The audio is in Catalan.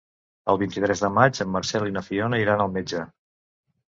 El vint-i-tres de maig en Marcel i na Fiona iran al metge.